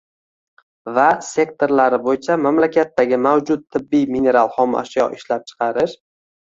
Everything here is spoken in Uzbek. va sektorlari bo`yicha mamlakatdagi mavjud tabiiy, mineral-xom ashyo ishlab chiqarish